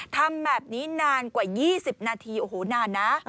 ทำแบบนี้นานกว่า๒๐นาทีโอ้โหนานนะ